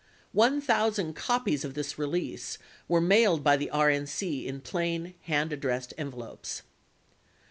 One thousand copies of this release were mailed by the RNC in plain, hand addressed envelopes.